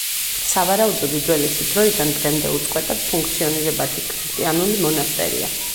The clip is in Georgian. სავარაუდოდ უძველესი დროიდან დღემდე უწყვეტად ფუნქციონირებადი ქრისტიანული მონასტერია.